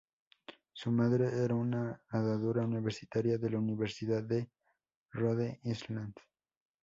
Su madre era una nadadora universitaria de la Universidad de Rhode Island.